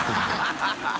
ハハハ